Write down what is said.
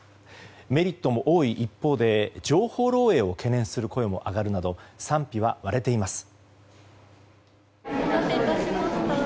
メリットも多い一方で情報漏洩を懸念する声も上がるなど賛否は割れています。